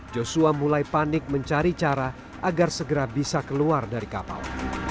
joshua mulai panik mencari cara agar segera bisa keluar dari kapal